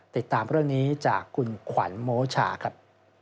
ติดตามเรื่องนี้จากคุณขวัญโมชาครับ